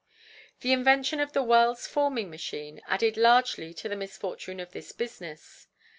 The invention of the Wells Forming Machine added largely to the misfortune of this business.